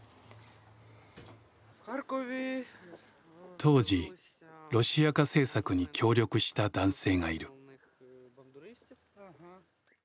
当時「ロシア化政策」に協力した男性がいる。